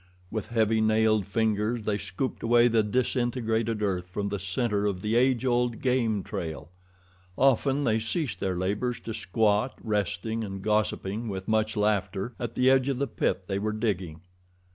With heavy nailed fingers they scooped away the disintegrated earth from the center of the age old game trail. Often they ceased their labors to squat, resting and gossiping, with much laughter, at the edge of the pit they were digging.